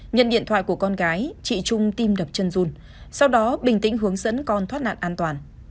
nhận điện thoại của con gái chị trung tim đập chân dung sau đó bình tĩnh hướng dẫn con thoát nạn an toàn